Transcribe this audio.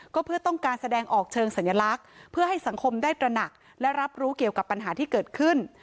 ก็เพื่อต้องการแสดงออกเชิงสัญลักษณ์เพื่อให้สังคมได้ตระหนักและรับรู้เกี่ยวกับปัญหาที่เกิดขึ้น